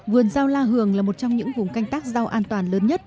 vườn rau la hường là một trong những vùng canh tác rau an toàn lớn nhất